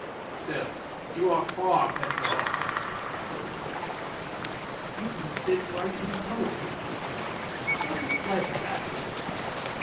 "Still you are far better off! " said the clerk; "you can sit writing poetry, what a pleasure that is.